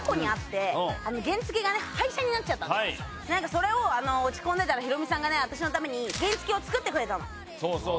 それを落ち込んでたらヒロミさんが私のために原付を作ってくれたの。